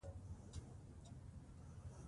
په افغانستان کې ستوني غرونه شتون لري.